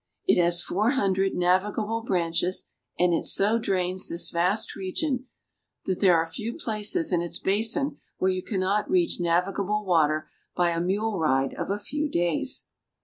It has four hun dred navigable branches, and it so drains this vast region that there are few places in its basin where you cannot reach navigable water by a mule ride of a few days.